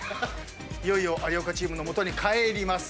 いよいよ有岡チームの元に帰ります。